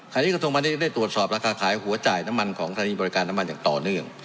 ที่กระทรวงพาณิชย์ได้ตรวจสอบราคาขายหัวจ่ายน้ำมันของสถานีบริการน้ำมันอย่างต่อเนื่อง